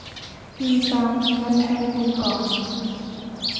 มีซ้ำ งั้นแท็กลุงก่อ